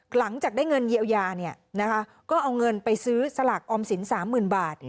หลังจากได้เงินเยียวยาเนี่ยนะคะก็เอาเงินไปซื้อสลักออมสินสามหมื่นบาท